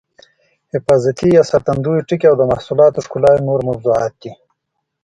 حفاظتي یا ساتندویه ټکي او د محصولاتو ښکلا یې نور موضوعات دي.